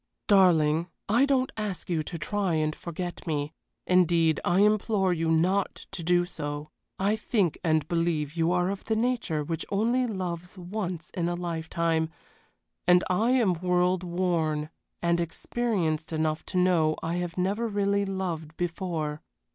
Darling, I don't ask you to try and forget me indeed, I implore you not to do so. I think and believe you are of the nature which only loves once in a lifetime, and I am world worn and experienced enough to know I have never really loved before.